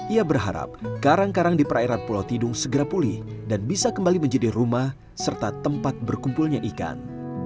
ia berharap karang karang di perairan pulau tidung segera pulih dan bisa kembali menjadi rumah serta tempat berkumpulnya ikan